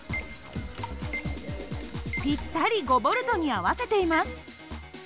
ぴったり５Ｖに合わせています。